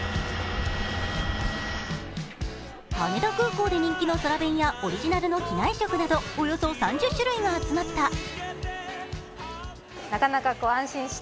羽田空港で人気の空弁やオリジナルの機内食などおよそ３０種類が集まった。